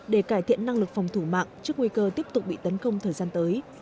để cải thiện năng lực phòng thủ mạng trước nguy cơ tiếp tục bị tấn công thời gian tới